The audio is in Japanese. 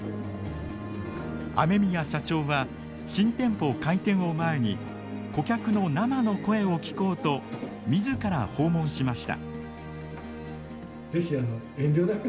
雨宮社長は新店舗開店を前に顧客の生の声を聞こうと自ら訪問しました。